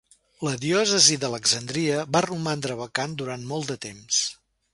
La diòcesi d'Alexandria va romandre vacant durant molt de temps.